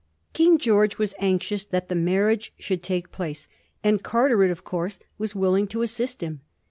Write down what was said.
King Greorge was anxious that the marriage should take place, and Carteret, of course, was willing to assist him.